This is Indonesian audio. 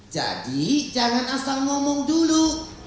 jadi jangan asal ngomong dulu